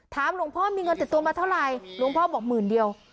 หลวงพ่อมีเงินติดตัวมาเท่าไหร่หลวงพ่อบอกหมื่นเดียว